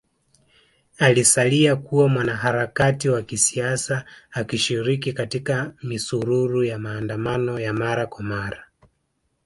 Alisalia kuwa mwanaharakati wa kisiasa akishiriki katika misururu ya maandamano ya mara kwa mara